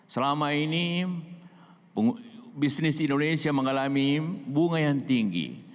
selama ini bisnis indonesia mengalami bunga yang tinggi